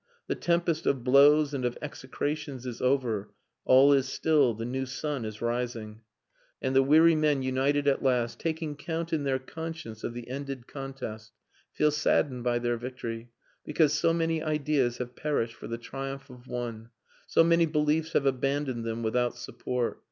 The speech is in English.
The tempest of blows and of execrations is over; all is still; the new sun is rising, and the weary men united at last, taking count in their conscience of the ended contest, feel saddened by their victory, because so many ideas have perished for the triumph of one, so many beliefs have abandoned them without support.